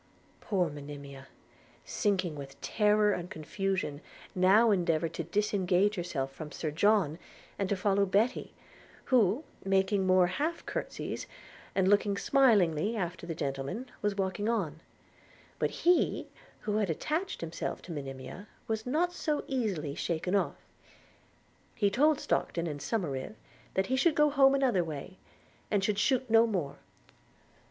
Poor Monimia, sinking with terror and confusion, now endeavoured to disengage herself from Sir John, and to follow Betty, who, making more half curtseys, and looking smilingly after the gentlemen, was walking on; but he, who had attached himself to Monimia, was not so easily shaken off. He told Stockton and Somerive, that he should go home another way, and should shoot no more.